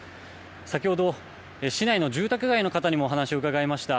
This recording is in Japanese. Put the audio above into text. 先ほど市内の住宅街の方にもお話を伺いました。